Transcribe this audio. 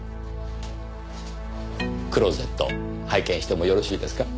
クローゼット拝見してもよろしいですか？